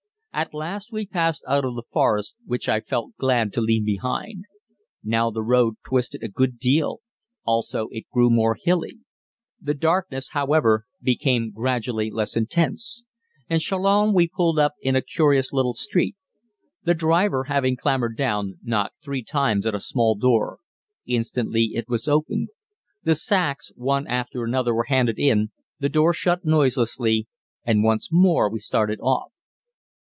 At last we passed out of the forest, which I felt glad to leave behind. Now the road twisted a good deal, also it grew more hilly. The darkness, however, became gradually less intense. In Chalons we pulled up in a curious little street. The driver, having clambered down, knocked three times at a small door. Instantly it was opened; the sacks, one after another, were handed in, the door shut noiselessly, and once more we started off.